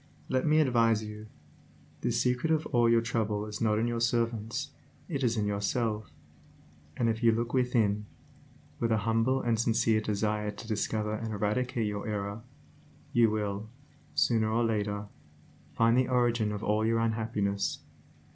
Let me advise you. The secret of all your trouble is not in your servants, it is in yourself; and if you look within, with a humble and sincere desire to discover and eradicate your error, you will, sooner or later, find the origin of all your unhappiness.